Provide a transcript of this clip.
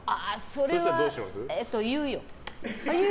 それは言うよ。